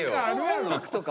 音楽とか。